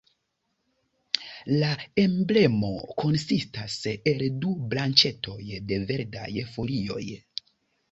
La emblemo konsistas el du branĉetoj de verdaj folioj.